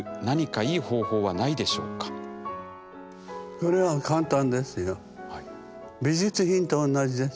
これは簡単ですよ。